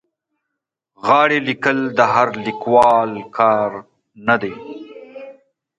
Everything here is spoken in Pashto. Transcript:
غاړې لیکل د هر لیکوال کار نه دی.